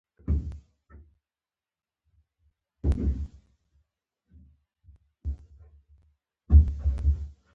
سترګې يې وازې وې.